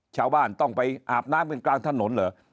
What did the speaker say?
ชาวบ้านต้องไปอาบน้ำกันกลางถนนเหรอ